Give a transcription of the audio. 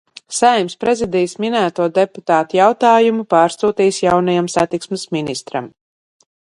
Saeimas Prezidijs minēto deputātu jautājumu pārsūtīs jaunajam satiksmes ministram.